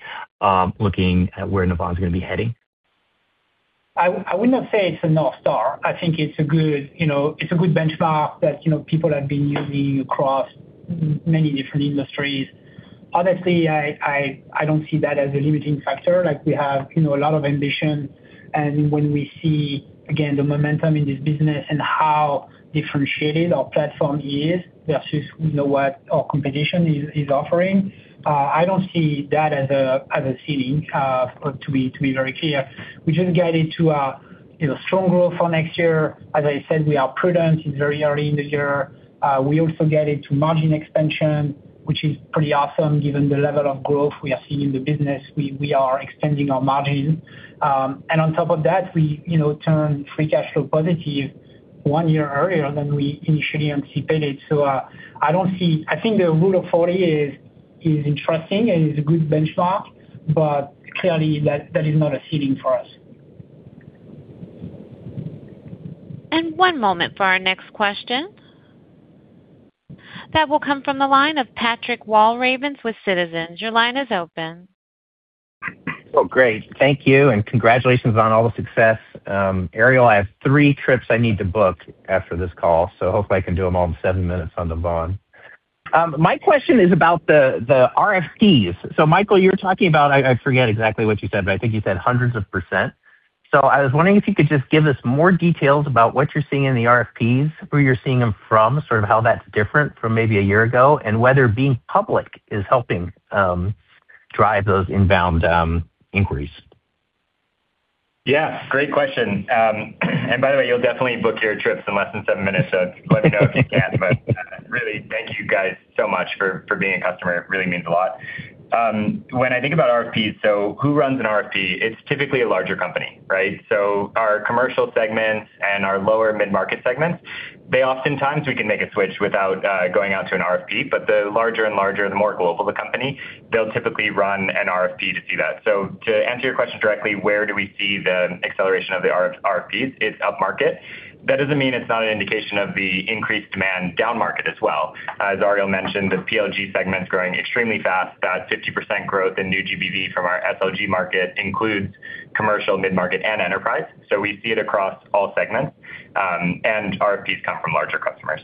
looking at where Navan's gonna be heading? I would not say it's a North Star. I think it's a good benchmark that people have been using across many different industries. Honestly, I don't see that as a limiting factor. Like, we have a lot of ambition, and when we see again the momentum in this business and how differentiated our platform is versus what our competition is offering, I don't see that as a ceiling to be very clear. We just guided to strong growth for next year. As I said, we are prudent. It's very early in the year. We also guided to margin expansion, which is pretty awesome given the level of growth we are seeing in the business. We are extending our margin. On top of that, we, you know, turn free cash flow positive one year earlier than we initially anticipated. I don't see. I think the rule of 40 is interesting and is a good benchmark, but clearly that is not a ceiling for us. One moment for our next question. That will come from the line of Patrick Walravens with Citizens. Your line is open. Oh, great. Thank you, and congratulations on all the success. Ariel, I have three trips I need to book after this call, so hopefully I can do them all in seven minutes on Navan. My question is about the RFPs. Michael, you were talking about, I forget exactly what you said, but I think you said hundreds of percent. I was wondering if you could just give us more details about what you're seeing in the RFPs, who you're seeing them from, sort of how that's different from maybe a year ago, and whether being public is helping drive those inbound inquiries. Yeah, great question. By the way, you'll definitely book your trips in less than 7 minutes, so let me know if you can't. Really thank you guys so much for being a customer. It really means a lot. When I think about RFPs, who runs an RFP? It's typically a larger company, right? Our commercial segments and our lower mid-market segments, they oftentimes we can make a switch without going out to an RFP. The larger and larger, the more global the company, they'll typically run an RFP to do that. To answer your question directly, where do we see the acceleration of the RFPs? It's up-market. That doesn't mean it's not an indication of the increased demand down-market as well. As Ariel mentioned, the PLG segment's growing extremely fast. That 50% growth in new GBV from our SLG market includes commercial, mid-market, and enterprise. We see it across all segments, and RFPs come from larger customers.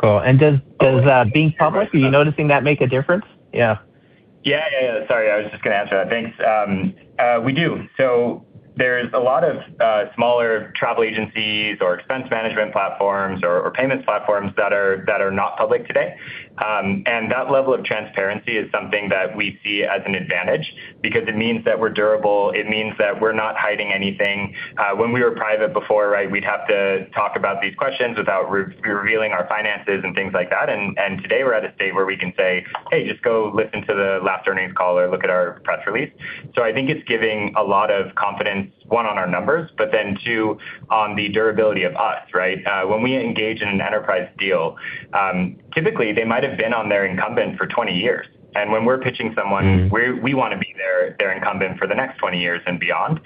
Cool. Does being public, are you noticing that make a difference? Yeah. Yeah, yeah, sorry. I was just gonna answer that. Thanks. We do. There's a lot of smaller travel agencies or expense management platforms or payments platforms that are not public today. That level of transparency is something that we see as an advantage because it means that we're durable. It means that we're not hiding anything. When we were private before, right? We'd have to talk about these questions without revealing our finances and things like that. Today we're at a state where we can say, "Hey, just go listen to the last earnings call or look at our press release." I think it's giving a lot of confidence, one, on our numbers, but then two, on the durability of us, right? When we engage in an enterprise deal, typically they might have been on their incumbent for 20 years. When we're pitching someone- We wanna be their incumbent for the next 20 years and beyond.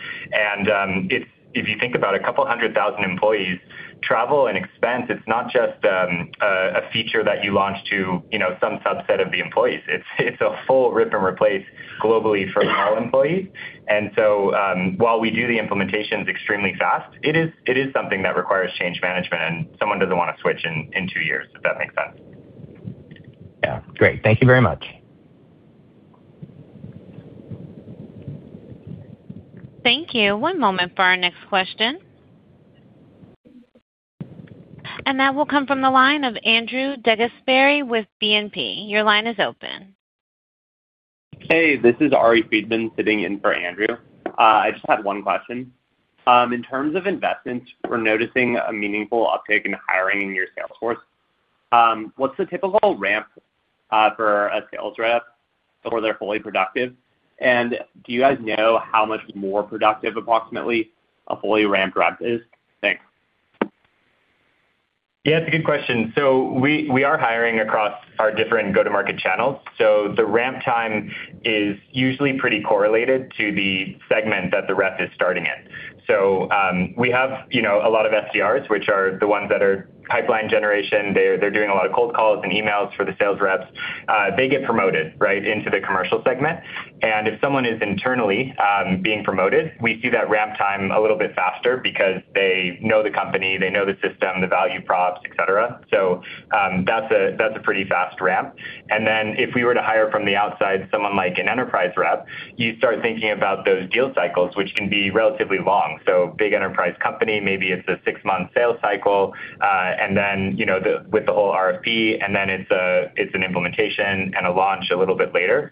If you think about a couple hundred thousand employees, travel and expense, it's not just a feature that you launch to, you know, some subset of the employees. It's a full rip and replace globally for all employees. While we do the implementations extremely fast, it is something that requires change management, and someone doesn't wanna switch in two years. Does that make sense? Yeah. Great. Thank you very much. Thank you. One moment for our next question. That will come from the line of Andrew DeGasperi with BNP. Your line is open. Hey, this is Ari Friedman sitting in for Andrew. I just had one question. In terms of investments, we're noticing a meaningful uptick in hiring in your sales force. What's the typical ramp for a sales rep before they're fully productive? Do you guys know how much more productive approximately a fully ramped rep is? Thanks. Yeah, it's a good question. We are hiring across our different go-to-market channels. The ramp time is usually pretty correlated to the segment that the rep is starting in. We have, you know, a lot of SDRs, which are the ones that are pipeline generation. They're doing a lot of cold calls and emails for the sales reps. They get promoted, right? Into the commercial segment. If someone is internally being promoted, we see that ramp time a little bit faster because they know the company, they know the system, the value props, et cetera. That's a pretty fast ramp. If we were to hire from the outside, someone like an enterprise rep, you start thinking about those deal cycles, which can be relatively long. Big enterprise company, maybe it's a six-month sales cycle, and then with the whole RFP, and then it's an implementation and a launch a little bit later.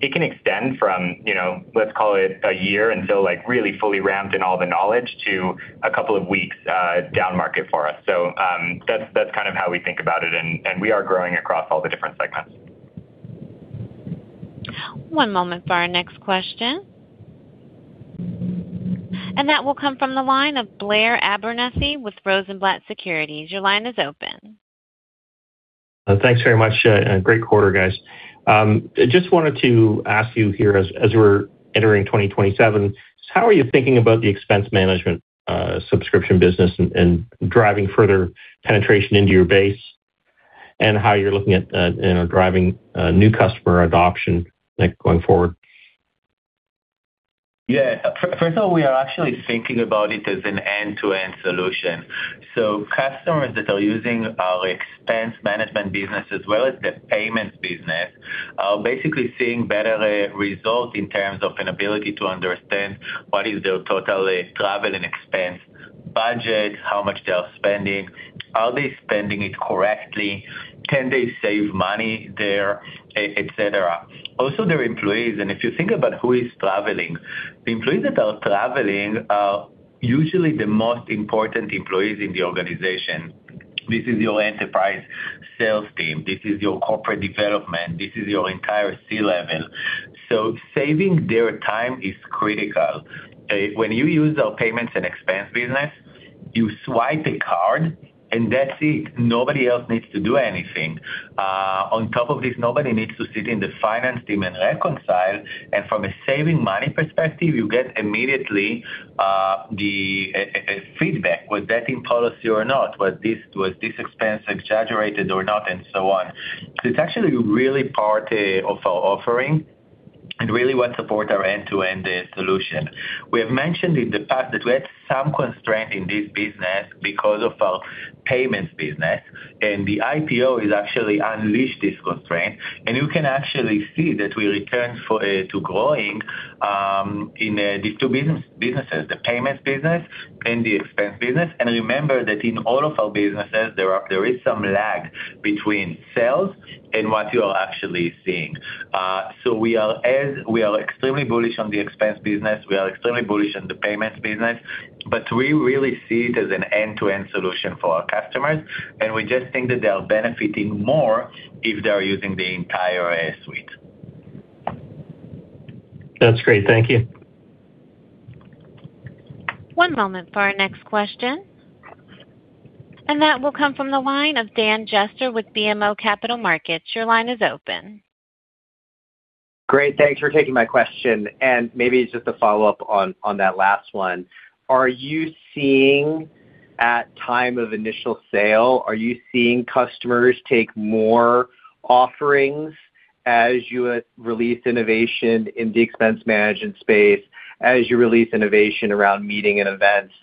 It can extend from let's call it a year until really fully ramped in all the knowledge to a couple of weeks down market for us. That's kind of how we think about it. We are growing across all the different segments. One moment for our next question. That will come from the line of Blair Abernethy with Rosenblatt Securities. Your line is open. Thanks very much. Great quarter, guys. I just wanted to ask you here as we're entering 2027, how are you thinking about the expense management subscription business and driving further penetration into your base? And how you're looking at, you know, driving new customer adoption, like, going forward? Yeah. First of all, we are actually thinking about it as an end-to-end solution. Customers that are using our expense management business as well as the payments business are basically seeing better results in terms of an ability to understand what is their total travel and expense budget, how much they are spending, are they spending it correctly, can they save money there, et cetera. Also, their employees, and if you think about who is traveling, the employees that are traveling are usually the most important employees in the organization. This is your enterprise sales team. This is your corporate development. This is your entire C-level. Saving their time is critical. When you use our payments and expense business, you swipe a card, and that's it. Nobody else needs to do anything. On top of this, nobody needs to sit in the finance team and reconcile. From a saving money perspective, you get immediately the feedback. Was that in policy or not? Was this expense exaggerated or not, and so on. It's actually really part of our offering and really what support our end-to-end solution. We have mentioned in the past that we had some constraint in this business because of our payments business, and the IPO has actually unleashed this constraint. You can actually see that we returned to growing in these two businesses, the payments business and the expense business. Remember that in all of our businesses, there is some lag between sales and what you are actually seeing. We are extremely bullish on the expense business. We are extremely bullish on the payments business. We really see it as an end-to-end solution for our customers, and we just think that they are benefiting more if they are using the entire suite. That's great. Thank you. One moment for our next question. That will come from the line of Daniel Jester with BMO Capital Markets. Your line is open. Great. Thanks for taking my question, and maybe just a follow-up on that last one. Are you seeing, at time of initial sale, customers take more offerings as you release innovation in the expense management space, around meetings and events?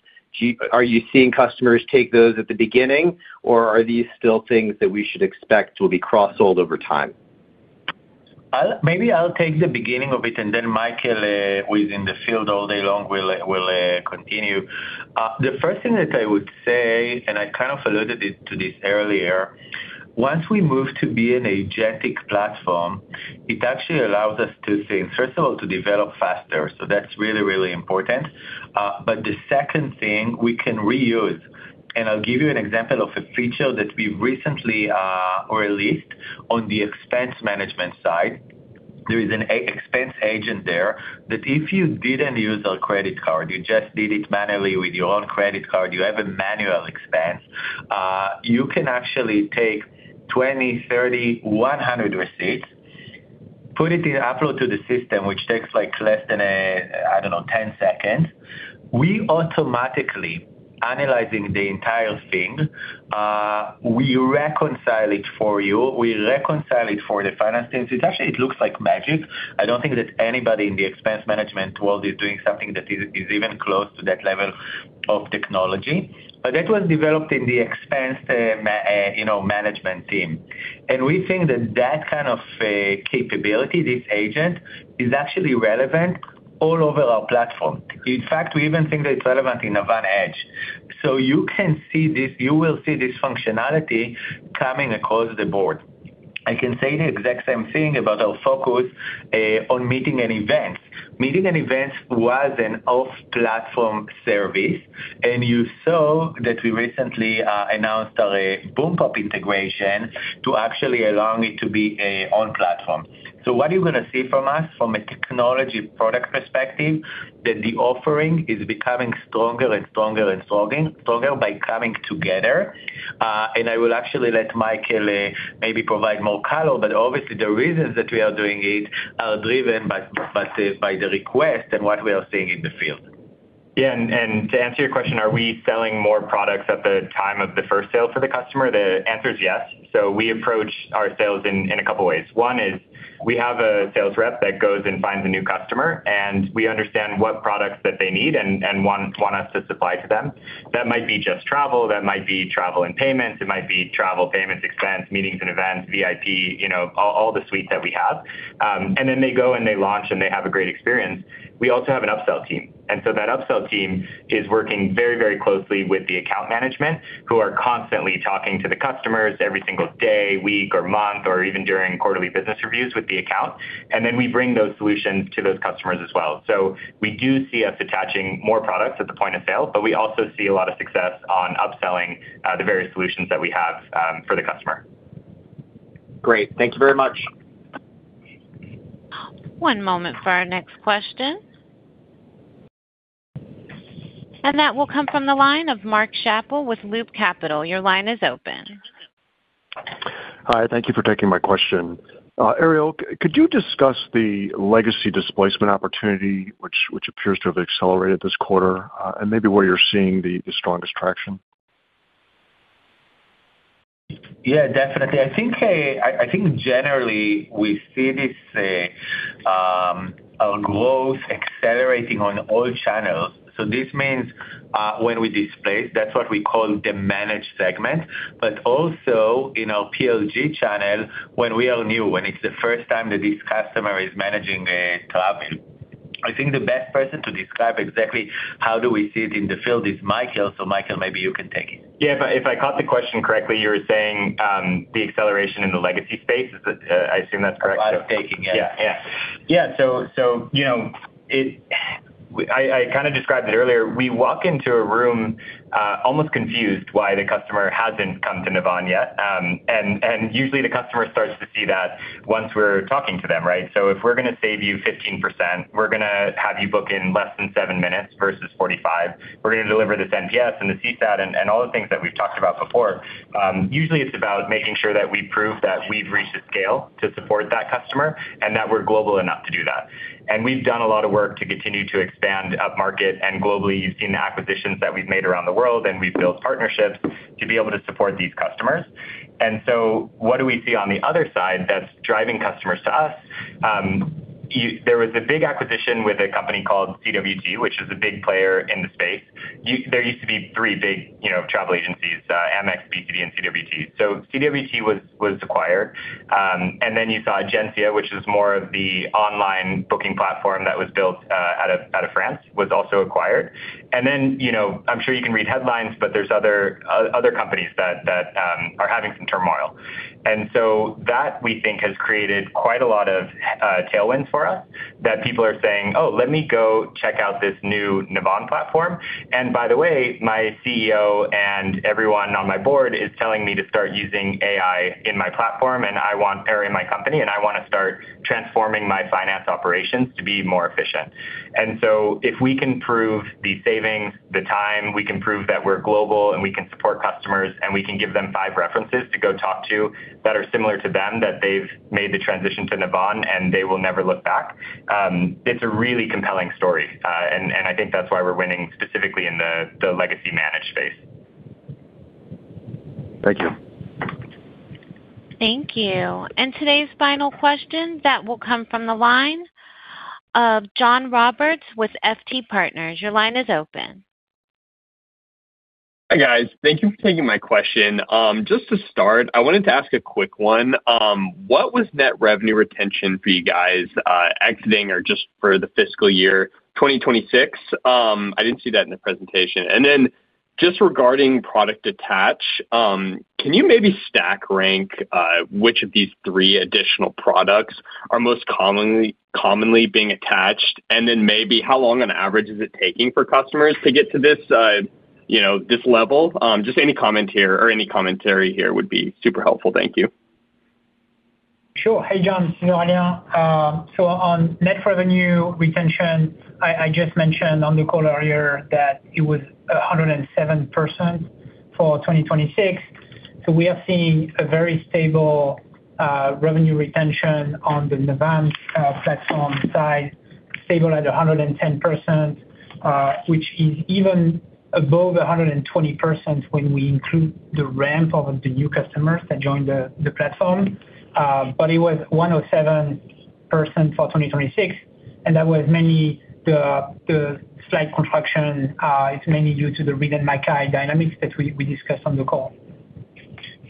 Are you seeing customers take those at the beginning or are these still things that we should expect will be cross-sold over time? Maybe I'll take the beginning of it, and then Michael, who is in the field all day long, will continue. The first thing that I would say, and I kind of alluded to it earlier, once we move to be an agentic platform, it actually allows us two things. First of all, to develop faster. That's really, really important. The second thing, we can reuse. I'll give you an example of a feature that we've recently, or at least on the expense management side, there is an expense agent there that if you didn't use a credit card, you just did it manually with your own credit card, you have a manual expense, you can actually take 20, 30, 100 receipts, put it in, upload to the system, which takes, like, less than a, I don't know, 10 seconds. We automatically analyzing the entire thing. We reconcile it for you. We reconcile it for the finance team. So it actually it looks like magic. I don't think that anybody in the expense management world is doing something that is even close to that level of technology. That was developed in the expense, you know, management team. We think that kind of capability, this agent, is actually relevant all over our platform. In fact, we even think that it's relevant in Navan Edge. You can see this. You will see this functionality coming across the board. I can say the exact same thing about our focus on meeting and events. Meeting and events was an off-platform service, and you saw that we recently announced our BoomPop integration to actually allow it to be an on-platform. What you're gonna see from us from a technology product perspective is that the offering is becoming stronger and stronger by coming together. I will actually let Michael maybe provide more color, but obviously the reasons that we are doing it are driven by the request and what we are seeing in the field. Yeah. To answer your question, are we selling more products at the time of the first sale for the customer? The answer is yes. We approach our sales in a couple ways. One is we have a sales rep that goes and finds a new customer, and we understand what products that they need and want us to supply to them. That might be just travel, that might be travel and payments, it might be travel, payments, expense, meetings and events, VIP, you know, all the suites that we have. And then they go and they launch, and they have a great experience. We also have an upsell team. that upsell team is working very, very closely with the account management who are constantly talking to the customers every single day, week, or month, or even during quarterly business reviews with the account. We bring those solutions to those customers as well. We do see us attaching more products at the point of sale, but we also see a lot of success on upselling, the various solutions that we have, for the customer. Great. Thank you very much. One moment for our next question. That will come from the line of Mark Schappel with Loop Capital. Your line is open. Hi, thank you for taking my question. Ariel, could you discuss the legacy displacement opportunity which appears to have accelerated this quarter, and maybe where you're seeing the strongest traction? Yeah, definitely. I think generally we see this, our growth accelerating on all channels. This means when we displace, that's what we call the managed segment, but also in our PLG channel, when we are new, when it's the first time that this customer is managing travel. I think the best person to describe exactly how do we see it in the field is Michael. Michael, maybe you can take it. Yeah, if I caught the question correctly, you were saying the acceleration in the legacy space. Is that, I assume that's correct. I was taking, yeah. Yeah. You know, I kinda described it earlier. We walk into a room, almost confused why the customer hasn't come to Navan yet. Usually the customer starts to see that once we're talking to them, right? If we're gonna save you 15%, we're gonna have you book in less than 7 minutes versus 45 minutes. We're gonna deliver this NPS and the CSAT and all the things that we've talked about before. Usually it's about making sure that we prove that we've reached the scale to support that customer and that we're global enough to do that. We've done a lot of work to continue to expand up-market and globally. You've seen the acquisitions that we've made around the world, and we've built partnerships to be able to support these customers. What do we see on the other side that's driving customers to us? There was a big acquisition with a company called CWT, which is a big player in the space. There used to be three big, you know, travel agencies, Amex, BCD, and CWT. CWT was acquired. You saw Egencia, which is more of the online booking platform that was built out of France, was also acquired. You know, I'm sure you can read headlines, but there's other companies that are having some turmoil. That, we think, has created quite a lot of tailwinds for us, that people are saying, "Oh, let me go check out this new Navan platform. By the way, my CEO and everyone on my board is telling me to start using AI in my platform, or in my company, and I wanna start transforming my finance operations to be more efficient. If we can prove the savings, the time, we can prove that we're global, and we can support customers, and we can give them five references to go talk to that are similar to them that they've made the transition to Navan and they will never look back, it's a really compelling story. I think that's why we're winning specifically in the legacy managed space. Thank you. Thank you. Today's final question that will come from the line of John Roberts with FT Partners. Your line is open. Hi, guys. Thank you for taking my question. Just to start, I wanted to ask a quick one. What was net revenue retention for you guys, exiting or just for the fiscal year 2026? I didn't see that in the presentation. Just regarding product attach, can you maybe stack rank which of these three additional products are most commonly being attached? Maybe how long on average is it taking for customers to get to this, you know, this level? Just any comment here or any commentary here would be super helpful. Thank you. Sure. Hey, John. This is Aurélien. On net revenue retention, I just mentioned on the call earlier that it was 107% for 2026. We are seeing a very stable revenue retention on the Navan platform side, stable at 110%, which is even above 120% when we include the ramp of the new customers that joined the platform. It was 107% for 2026, and that was mainly the slight contraction is mainly due to the Reed & Mackay dynamics that we discussed on the call.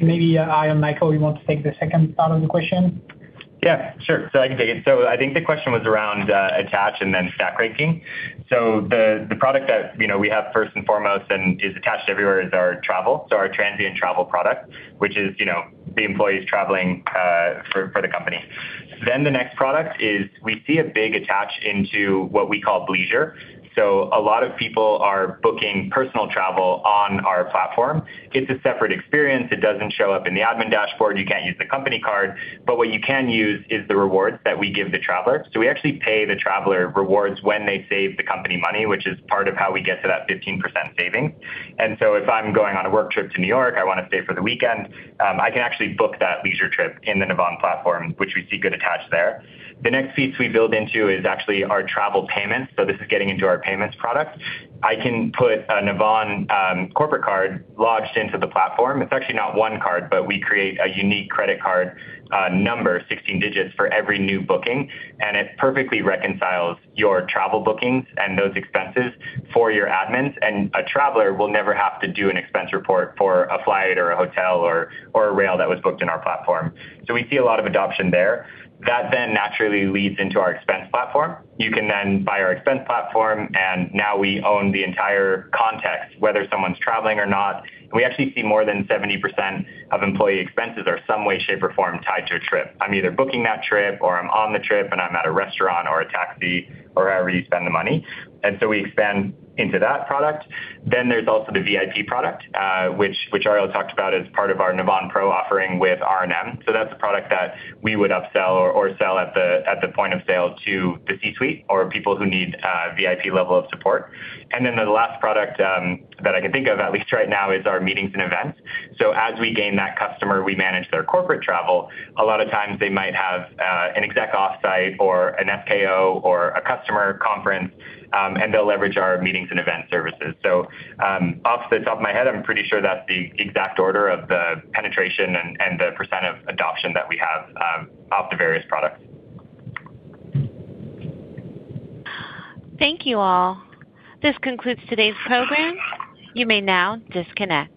Maybe, Ariel, Michael, you want to take the second part of the question? Yeah, sure. I can take it. I think the question was around attach and then stack ranking. The product that, you know, we have first and foremost and is attached everywhere is our travel, so our transient travel product, which is, you know, the employees traveling for the company. The next product is we see a big attach into what we call leisure. A lot of people are booking personal travel on our platform. It's a separate experience. It doesn't show up in the admin dashboard. You can't use the company card. But what you can use is the rewards that we give the traveler. We actually pay the traveler rewards when they save the company money, which is part of how we get to that 15% savings. If I'm going on a work trip to New York, I want to stay for the weekend, I can actually book that leisure trip in the Navan platform, which we see good attach there. The next piece we build into is actually our travel payments, so this is getting into our payments product. I can put a Navan corporate card lodged into the platform. It's actually not one card, but we create a unique credit card number, 16 digits, for every new booking, and it perfectly reconciles your travel bookings and those expenses for your admins. A traveler will never have to do an expense report for a flight or a hotel or a rail that was booked in our platform. We see a lot of adoption there. That then naturally leads into our expense platform. You can then buy our expense platform, and now we own the entire context, whether someone's traveling or not. We actually see more than 70% of employee expenses are some way, shape, or form tied to a trip. I'm either booking that trip or I'm on the trip and I'm at a restaurant or a taxi or wherever you spend the money. We expand into that product. There's also the VIP product, which Aurélien talked about as part of our Navan Pro offering with R&M. That's a product that we would upsell or sell at the point of sale to the C-suite or people who need VIP level of support. The last product that I can think of at least right now is our meetings and events. As we gain that customer, we manage their corporate travel. A lot of times they might have an exec off-site or an SKO or a customer conference, and they'll leverage our meetings and event services. Off the top of my head, I'm pretty sure that's the exact order of the penetration and the percent of adoption that we have of the various products. Thank you all. This concludes today's program. You may now disconnect.